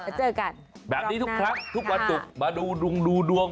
มาเจอกันก็แบบนี้ทุกคลั้นทุกวันตุ๊กมาดูดวง